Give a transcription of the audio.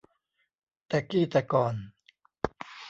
แต่กี้แต่ก่อน